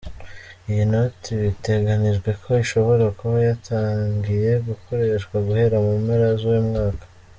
Iyi noti biteganijwe ko ishobora kuba yatangiye gukoreshwa guhera mu mpera z’uyu mwaka.